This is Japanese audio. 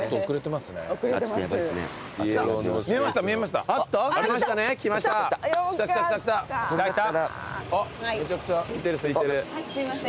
すいません。